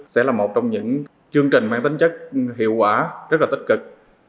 sẽ là một trong những chương trình mang tính chất hiệu quả rất là tích cực